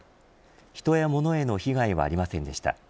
人や物への被害はありませんでした。